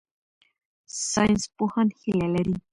ساینسپوهان هیله لري.